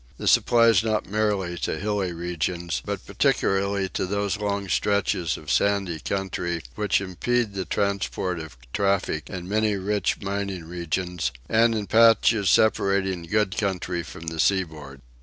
This applies not merely to hilly regions, but particularly to those long stretches of sandy country which impede the transport of traffic in many rich mining regions, and in patches separating good country from the seaboard.